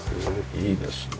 いいですね。